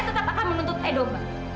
tetap akan menuntut edo mbak